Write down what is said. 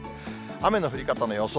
雨の降り方の予想。